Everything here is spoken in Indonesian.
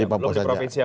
di papua saja